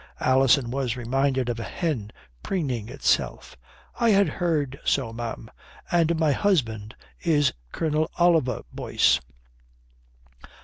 Alison was reminded of a hen preening itself. "I had heard so, ma'am. And my husband is Colonel Oliver Boyce."